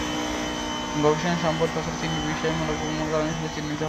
গবেষণায় সম্পদ পাচারে তিনটি বিষয়কে মূল কারণ হিসেবে চিহ্নিত করা হয়েছে।